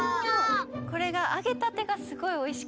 これがあげたてがすごいおいしくて。